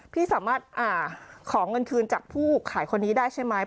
พี่สามารถขอเงินคืนจากผู้ขายคนนี้ได้ใช่ไหม